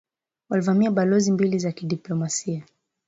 Walivamia balozi mbili za kidiplomasia